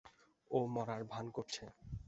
ও মরার ভান করছে!